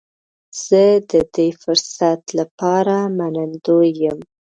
زه د دې فرصت لپاره منندوی یم.